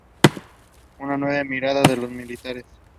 Una nueva mirada a los militares es el reconocimiento.